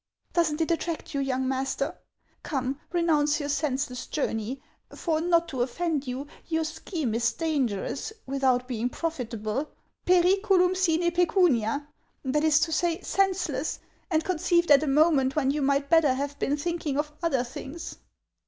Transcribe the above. Does n't it attract you, young master ? Come, renounce your senseless journey ; for, not to offend you, your scheme is dangerous, without being profitable, — pcriculurn sine pccunia ; that is to say, senseless, and conceived at a moment when you might better have been thinking of other things."